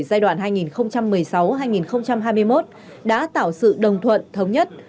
giai đoạn hai nghìn một mươi sáu hai nghìn hai mươi một đã tạo sự đồng thuận thống nhất